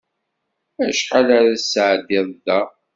Acḥal ara tesεeddiḍ da?